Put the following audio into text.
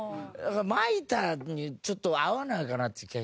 「蒔いた」にちょっと合わないかなっていう気が。